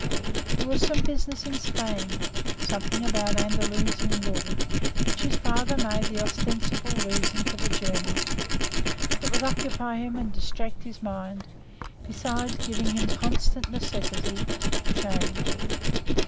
There was some business in Spain something about Andalusian wool which his father made the ostensible reason for the journey. It would occupy him and distract his mind, besides giving him constant necessity of change.